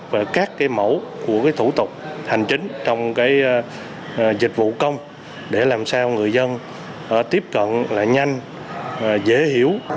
và các cái mẫu của thủ tục hành chính trong dịch vụ công để làm sao người dân tiếp cận nhanh dễ hiểu